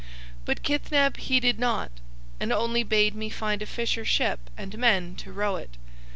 "But Kithneb heeded not, and only bade me find a fisher ship and men to row it.